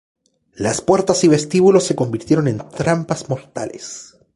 Las puertas y vestíbulos se convirtieron en trampas mortales.